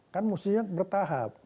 kan harusnya bertahap